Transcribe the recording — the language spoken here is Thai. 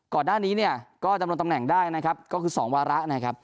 ก่อนหน้านี้ก็จะดำเนินตำแหน่งได้ที่คือ๒วาระ